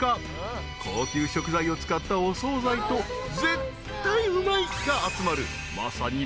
高級食材を使ったお総菜と「絶対うまい」が集まるまさに］